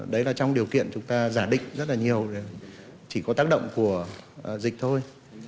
đấy là trong điều kiện chúng ta giả định rất là nhiều chỉ có tác động của dịch thôi